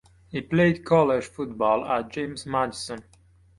He played college football at James Madison.